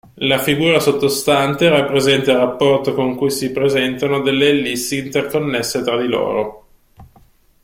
La figura sottostante rappresenta il rapporto con cui si presentano delle ellissi interconnesse tra di loro.